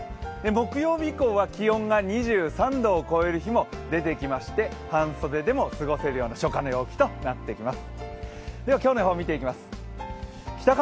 木曜日以降は気温が２３度を超える日も出てきまして半袖でも過ごせるような初夏の陽気となってきます。